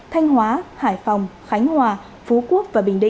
thanh hóa hải phòng khánh hòa phú quốc